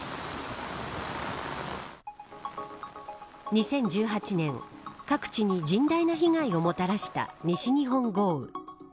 ２０１８年各地に甚大な被害をもたらした西日本豪雨。